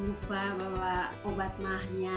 jangan lupa bawa obat maahnya